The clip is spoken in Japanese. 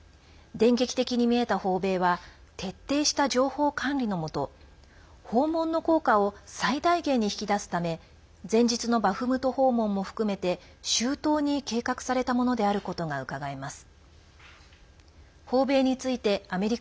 電撃的に見えた訪米は徹底した情報管理のもと訪問の効果を最大限に引き出すため前日のバフムト訪問も含めて周到に計画されたものであることがうかがえます。